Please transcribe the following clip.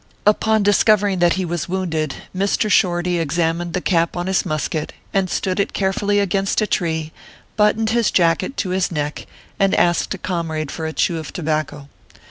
Upon discovering that he was wounded, Mr. Shorty examined the cap on his musket, and stood it carefully against a tree, buttoned his jacket to his neck, and asked a comrade for a chew of tobacco.